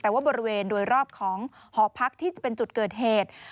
แต่ว่าบริเวณโดยรอบของหอพักที่จะเป็นจุดเกิดเหตุ